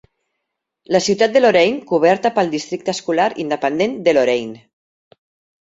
La ciutat de Loraine coberta pel districte escolar independent de Loraine.